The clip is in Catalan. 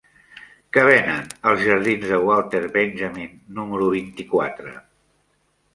Què venen als jardins de Walter Benjamin número vint-i-quatre?